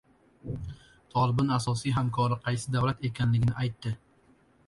"Tolibon" asosiy hamkori qaysi davlat ekanligini aytdi